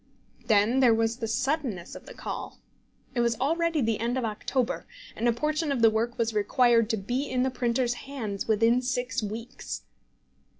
Then there was the suddenness of the call. It was already the end of October, and a portion of the work was required to be in the printer's hands within six weeks.